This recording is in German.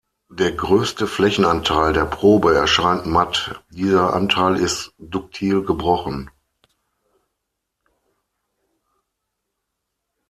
Der größte Flächenanteil der Probe erscheint "matt", dieser Anteil ist "duktil" gebrochen.